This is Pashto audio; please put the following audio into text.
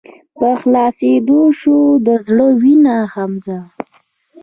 په خلاصيدو شــوه د زړه وينه حمزه